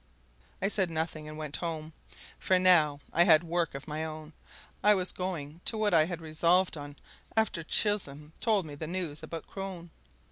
I said nothing and went home. For now I had work of my own I was going to what I had resolved on after Chisholm told me the news about Crone.